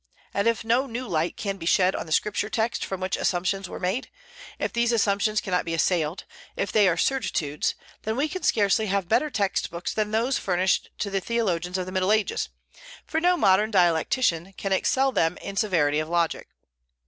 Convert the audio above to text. And if no new light can be shed on the Scripture text from which assumptions were made; if these assumptions cannot be assailed, if they are certitudes, then we can scarcely have better text books than those furnished to the theologians of the Middle Ages, for no modern dialetician can excel them in severity of logic.